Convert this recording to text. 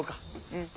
うん。